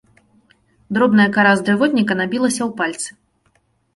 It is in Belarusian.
Дробная кара з дрывотніка набілася ў пальцы.